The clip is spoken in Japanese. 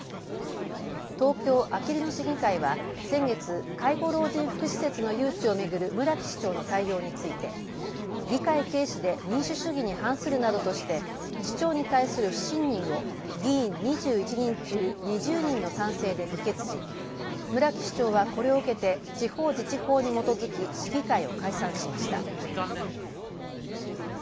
東京あきる野市議会は先月、介護老人福祉施設の誘致を巡る村木市長の対応について議会軽視で民主主義に反するなどとして市長に対する不信任を議員２１人中２０人の賛成で議決し村木市長はこれを受けて地方自治法に基づき市議会を解散しました。